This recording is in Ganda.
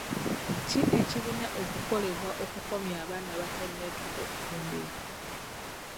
Ki ekirina okukolebwa okukomya abaana abatenneetuuka okufumbirwa?